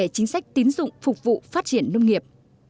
chính sách tín dụng phục vụ phát triển nông nghiệp